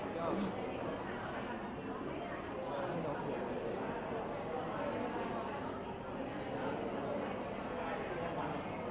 ๑พี่โจ้